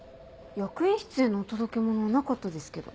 役員室への届け物はなかったですけど。